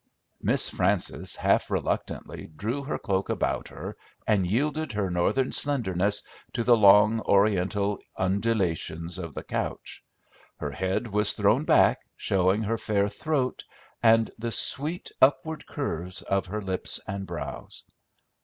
Miss Frances half reluctantly drew her cloak about her, and yielded her Northern slenderness to the long Oriental undulations of the couch. Her head was thrown back, showing her fair throat and the sweet upward curves of her lips and brows.